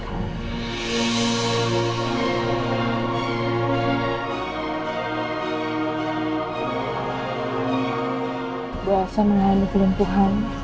tadi saya diberitahu pak reni bu elsa dan bu anding mengalami kecelakaan